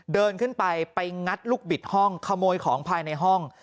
เดินขึ้นไปไปงัดลูกบิดห้องขโมยของภายในห้อง